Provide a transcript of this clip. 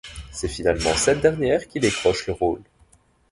C'est finalement cette dernière qui décroche le rôle.